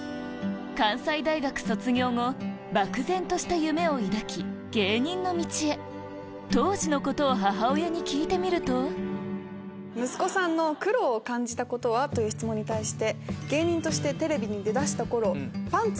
関西大学卒業後漠然とした夢を抱き芸人の道へ当時のことを母親に聞いてみると息子さんの苦労を感じたことは？という質問に対して。